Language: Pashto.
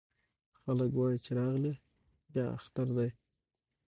خلک وايې چې راغلی بيا اختر دی